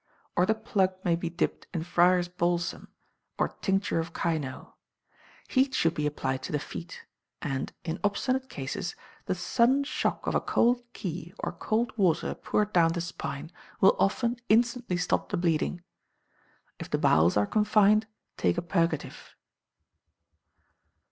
Or the plug may be dipped in Friar's balsam, or tincture of kino. Heat should be applied to the feet; and, in obstinate cases, the sudden shock of a cold key, or cold water poured down the spine, will often instantly stop the bleeding. If the bowels are confined, take a purgative.